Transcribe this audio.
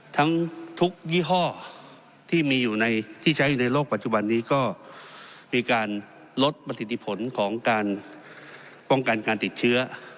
ทั้งทุกยี่ห้อที่มีอยู่ในที่ใช้อยู่ในโลกปัจจุบันนี้ก็มีการลดประสิทธิผลของการป้องกันการติดเชื้อ